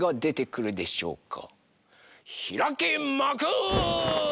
ひらけまく！